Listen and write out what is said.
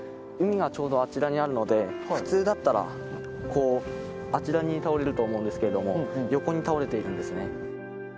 海がちょうどあちらにあるので、普通だったら、あちらに倒れると思うんですけれども、横に倒れているんですね。